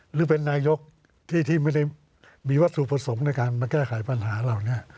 หรือเป็นนายกที่ไม่ได้มีวัตถุผสมในการมาแก้ไขปัญหาเรา